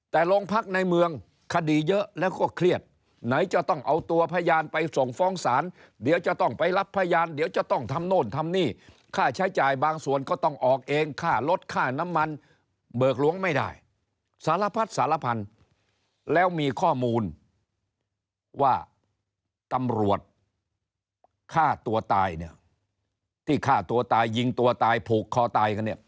แต่โรงพักในเมืองคดีเยอะแล้วก็เครียดไหนจะต้องเอาตัวพยานไปส่งฟ้องศาลเดี๋ยวจะต้องไปรับพยานเดี๋ยวจะต้องทำโน่นทำนี่ค่าใช้จ่ายบางส่วนก็ต้องออกเองค่ารถค่าน้ำมันเบิกล้วงไม่ได้สารพัดสารพันธุ์แล้วมีข้อมูลว่าตำรวจฆ่าตัวตายเนี่ยที่ฆ่าตัวตายยิงตัวตายผูกคอตายกันเนี่ย